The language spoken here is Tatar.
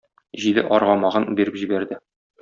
Җиде аргамагын биреп җибәрде.